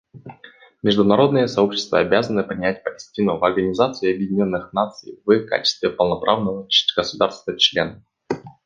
Международное сообщество обязано принять Палестину в Организацию Объединенных Наций в качестве полноправного государства-члена.